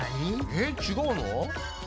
えっ違うの？